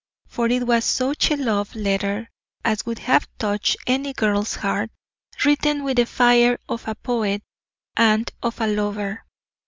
For it was such a love letter as would have touched any girl's heart; written with the fire of a poet and of a lover.